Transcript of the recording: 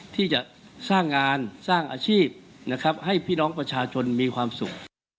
ที่จะสร้างงานสร้างอาชีพนะครับให้พี่น้องประชาชนมีความสุข